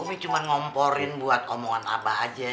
kami cuma ngomporin buat omongan abah aja